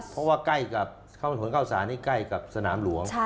เพราะว่าใกล้กับข้างถนนเข้าสารนี่ใกล้กับสนามหลวง